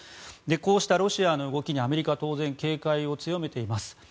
こうしたロシアの動きにアメリカは当然警戒を強めています。